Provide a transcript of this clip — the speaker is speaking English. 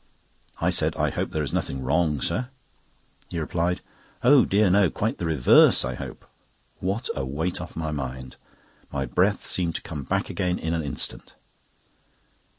I said: "I hope there is nothing wrong, sir?" He replied: "Oh dear, no! quite the reverse, I hope." What a weight off my mind! My breath seemed to come back again in an instant.